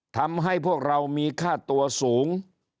ทำให้พวกเรามีค่าตัวสูง